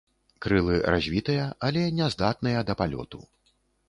Крылы развітыя, але няздатныя да палёту.